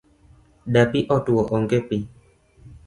Dapi otuo onge pi .